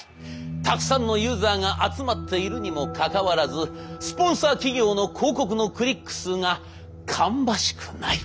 たくさんのユーザーが集まっているにもかかわらずスポンサー企業の広告のクリック数が芳しくない。